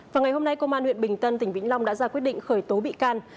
vào ngày hôm nay công an huyện bình tân tỉnh vĩnh long đã ra quyết định khởi tố bị can